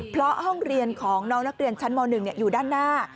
เพราะห้องเรียนของน้องนักเรียนชั้นม๑อยู่ด้านหน้า